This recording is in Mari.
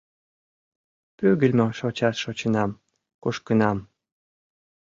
- Пӱгыльмӧ шочаш шочынам, кушкынам.